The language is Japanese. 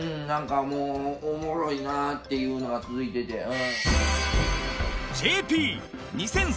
なんかもうおもろいなっていうのが続いてて。